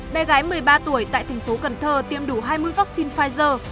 bé gái một mươi ba tuổi tại thành phố cần thơ tiêm đủ hai mươi vaccine pfizer